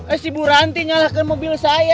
eh si bu ranti nyalahkan mobil saya